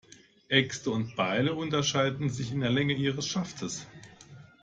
Äxte und Beile unterscheiden sich in der Länge ihres Schaftes.